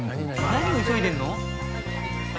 何を急いでるの？